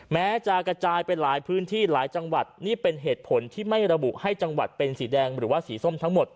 แม้จะกระจายไปหลายพื้นที่หลายจังหวัดนี่เป็นเหตุผลที่ไม่ระบุให้จังหวัดเป็นสีแดงหรือว่าสีส้มทั้งหมด